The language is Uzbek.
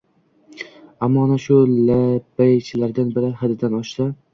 Ammo, ana shu labbaychilardan biri haddidan oshsa